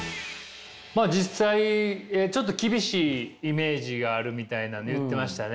まあ実際ちょっと厳しいイメージがあるみたいなね言ってましたね。